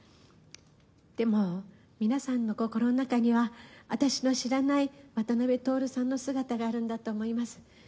でも、皆さんの心の中には、私の知らない渡辺徹さんの姿があるんだと思います。